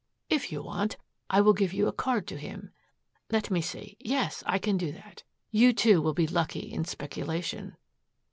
If you want, I will give you a card to him. Let me see yes, I can do that. You too will be lucky in speculation."